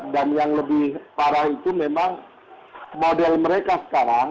dan yang lebih parah itu memang model mereka sekarang